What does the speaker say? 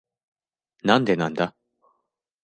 なんでなんだ？